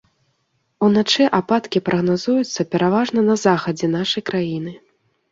Уначы ападкі прагназуюцца пераважна на захадзе нашай краіны.